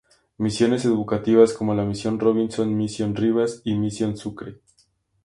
Misiones educativas como la misión Robinson, misión Ribas y misión Sucre.